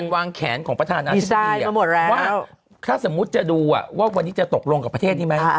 ว่าถ้าสมมุติจะดูว่าวันนี้จะตกลงกับประเทศนี้ไหม